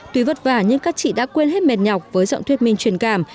tuy vất vả nhưng các chị đã quên hết mệt nhọc với giọng thuyết minh truyền cảm